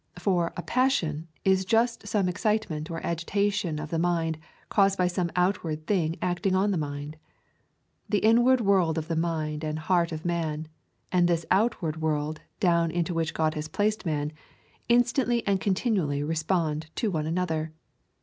For a 'passion' is just some excitement or agitation of the mind caused by some outward thing acting on the mind. The inward world of the mind and heart of man, and this outward world down into which God has placed man, instantly and continually respond to one another.